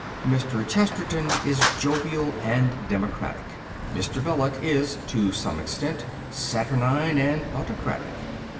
Mr. Chesterton is jovial and democratic; Mr. Belloc is (to some extent) saturnine and autocratic.